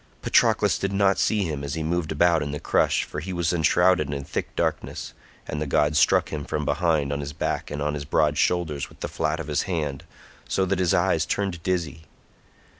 Patroclus did not see him as he moved about in the crush, for he was enshrouded in thick darkness, and the god struck him from behind on his back and his broad shoulders with the flat of his hand, so that his eyes turned dizzy.